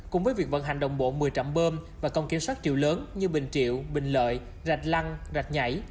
cùng với việc vận hành đồng bộ một mươi trạm bơm và công kiểm soát chiều lớn như bình triệu bình lợi rạch lăng rạch nhảy